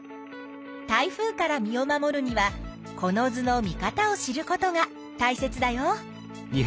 台風から身を守るにはこの図の見方を知ることがたいせつだよ。